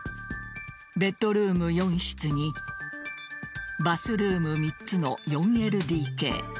ベッドルーム４室にバスルーム３つの４ＬＤＫ。